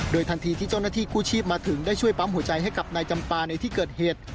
ทันทีที่เจ้าหน้าที่กู้ชีพมาถึงได้ช่วยปั๊มหัวใจให้กับนายจำปาในที่เกิดเหตุ